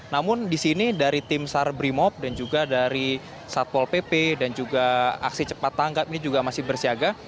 namun di sini dari tim sar brimob dan juga dari satpol pp dan juga aksi cepat tanggap ini juga masih bersiaga